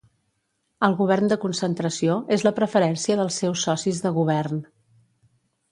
El govern de concentració és la preferència dels seus socis de govern